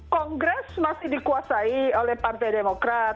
kongres masih dikuasai oleh partai demokrat